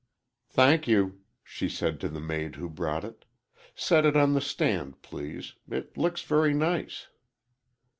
"Thank you," she said to the maid who brought it. "Set it on that stand, please. It looks very nice."